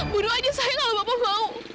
bunuh aja saya kalau bapak mau